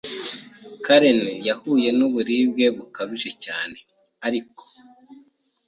Karen yahuye n’uburibwe bukabije cyane ariko